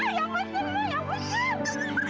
enggak enggak kemenang